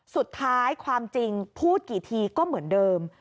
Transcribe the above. สุดท้ายความจริงพูดกี่ทีก็เหมือนเดิม